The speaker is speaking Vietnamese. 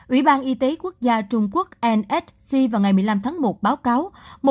ủy ban y tế quốc gia trung quốc nsc vào ngày một mươi năm tháng một báo cáo